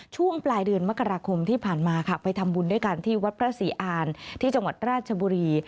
ช่วงปลายเดือนมกราคมที่ผ่านมาค่ะไปทำบุญด้วยกันที่วัดพระศรีอานที่จังหวัดราชบุรี